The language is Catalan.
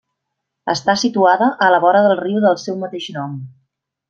Està situada a la vora del riu del seu mateix nom.